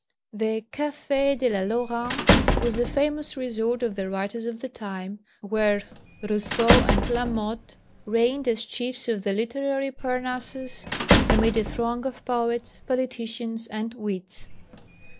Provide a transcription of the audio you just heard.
The Café de la Laurent was the famous resort of the writers of the time, where Rousseau and Lamothe reigned as chiefs of the literary Parnassus amid a throng of poets, politicians, and wits.